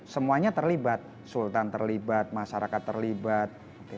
semuanya terlibat sultan terlibat masyarakat terlibat